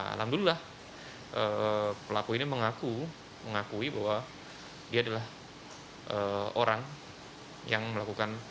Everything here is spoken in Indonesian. alhamdulillah pelaku ini mengakui bahwa dia adalah orang yang melakukan